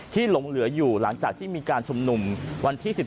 หลงเหลืออยู่หลังจากที่มีการชุมนุมวันที่๑๓